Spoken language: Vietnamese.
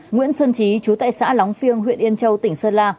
nguyễn xuân trí chú tại xã lóng phiêng huyện yên châu tỉnh sơn la